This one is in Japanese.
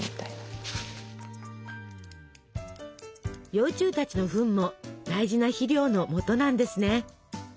幼虫たちのフンも大事な肥料のもとなんですね。